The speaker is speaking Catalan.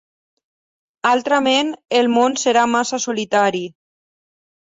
Altrament el món serà massa solitari.